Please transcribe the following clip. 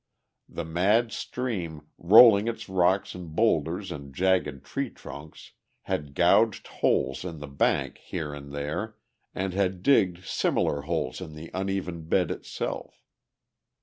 The mad stream, rolling its rocks and boulders and jagged tree trunks, had gouged holes in the bank here and there and had digged similar holes in the uneven bed itself.